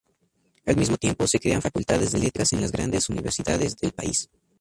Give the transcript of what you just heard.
Al mismo tiempo se crean Facultades de Letras en las grandes universidades del país.